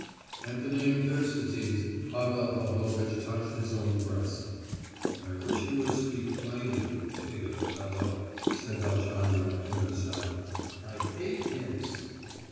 At the name "Thersites" Pavel Pavlovitch touched his own breast. "I wish you would speak plainly, you pig of a fellow!" said Velchaninoff to himself, "I hate hints!"